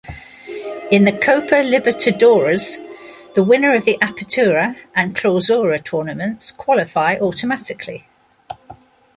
In the Copa Libertadores, the winner of the Apertura and Clausura tournaments qualify automatically.